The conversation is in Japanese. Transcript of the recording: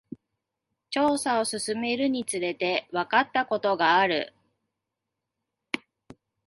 調査を進めるにつれて、わかったことがある。